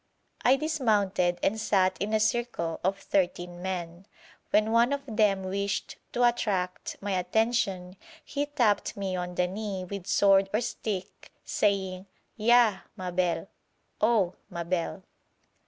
I dismounted, and sat in a circle of thirteen men. When one of them wished to attract my attention he tapped me on the knee with sword or stick, saying, 'Ya oh, Mabel!'